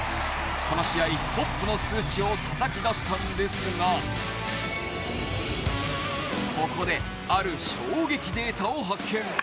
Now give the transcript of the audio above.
この試合トップの数値をたたき出したんですがここで、ある衝撃データを発見。